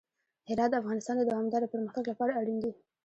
هرات د افغانستان د دوامداره پرمختګ لپاره اړین دي.